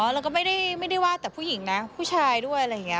แล้วก็ไม่ได้ว่าแต่ผู้หญิงนะผู้ชายด้วยอะไรอย่างนี้